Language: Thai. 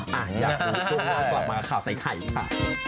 อยากรู้ช่วงหน้ากลับมาข่าวใส่ไข่ค่ะ